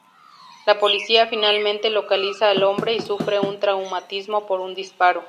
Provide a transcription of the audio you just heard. La policía finalmente localiza al hombre y sufre un traumatismo por un disparo.